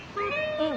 うん。